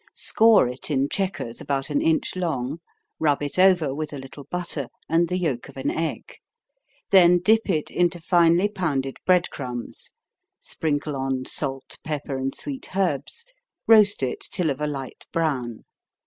Score it in checkers, about an inch long, rub it over with a little butter, and the yelk of an egg; then dip it into finely pounded bread crumbs; sprinkle on salt, pepper, and sweet herbs; roast it till of a light brown.